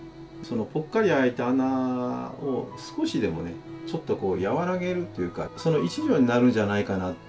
そのぽっかり開いた穴を少しでもねちょっと和らげるというかその一助になるんじゃないかな。